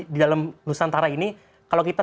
di dalam nusantara ini kalau kita